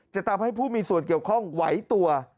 จะทำให้ผู้มีส่วนเกี่ยวข้องไหวตัว